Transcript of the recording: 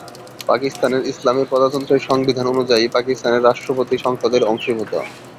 পাকিস্তানের ইসলামী প্রজাতন্ত্রের সংবিধান অনুযায়ী, পাকিস্তানের রাষ্ট্রপতি সংসদের অংশীভূত।